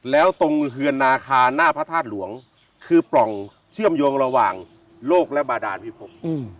แล้วตรงเฮือนนาคาหน้าพระธาตุหลวงคือปล่องเชื่อมโยงระหว่างโลกและบาดานพิภพ